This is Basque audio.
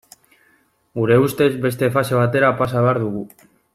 Gure ustez, beste fase batera pasa behar dugu.